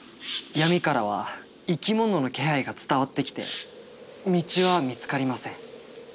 闇からは生き物の気配が伝わってきて道は見つかりません。